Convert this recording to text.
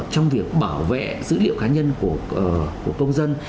trong việc bảo vệ dữ liệu cá nhân của công dân